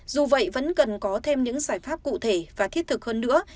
dù vậy vẫn cần có thêm những giải pháp cụ thể và thiết thực hơn nữa